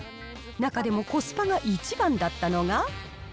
中でもコスパが一番だったのが。